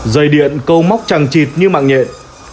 dày điện câu móc trằng chịt như mạng nhện